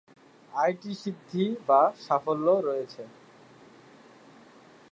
আটটি সিদ্ধি বা সাফল্য রয়েছে।